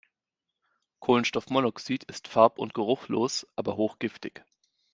Kohlenstoffmonoxid ist farb- und geruchlos, aber hochgiftig.